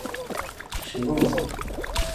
石皋子。